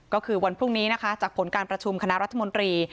ก็คือวันพรุ่งนี้นะคะจากผลการประชุมคณะรัฐมนตรี